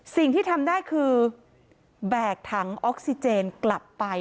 สิ่งที่ทำได้คือแบกถังออกซิเจนกลับไป